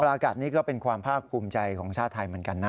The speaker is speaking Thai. อากาศนี้ก็เป็นความภาคภูมิใจของชาติไทยเหมือนกันนะ